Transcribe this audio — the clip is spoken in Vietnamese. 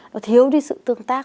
nó thiếu đi sự tương tác